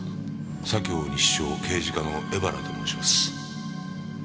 左京西署刑事課の江原と申します。